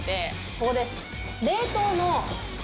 ここです。